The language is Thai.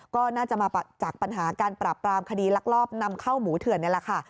ก็น่าจะมาจากปัญหาการปราบปรามคดีลักลอบนำเข้าหมูเถื่อนนี่แหละค่ะ